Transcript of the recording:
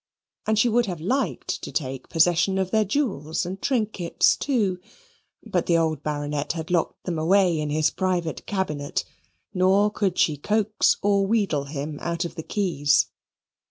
And she would have liked to take possession of their jewels and trinkets too; but the old Baronet had locked them away in his private cabinet; nor could she coax or wheedle him out of the keys.